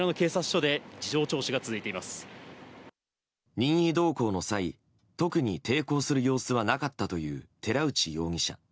任意同行の際特に抵抗する様子はなかったという寺内容疑者。